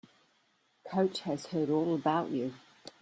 Coach has heard all about you.